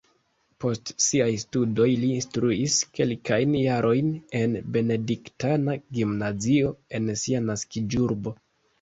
Post siaj studoj li instruis kelkajn jarojn en benediktana gimnazio en sia naskiĝurbo.